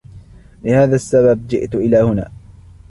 لهذا السبب جئت الى هنا.